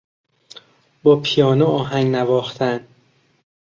با پیانو آهنگ نواختن